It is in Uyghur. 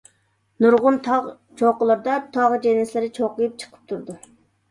نۇرغۇن تاغ چوققىلىرىدا تاغ جىنسلىرى چوقچىيىپ چىقىپ تۇرىدۇ.